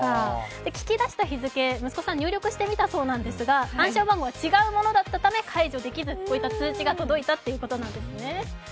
聞き出した日付、息子さん入力してみたんですが、暗証番号が違うものだったため解除できずこういった通知が届いたということなんですね。